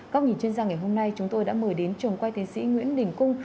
các nghìn chuyên gia ngày hôm nay chúng tôi đã mời đến trường quay tiến sĩ nguyễn đình cung